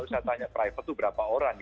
saya tanya private itu berapa orang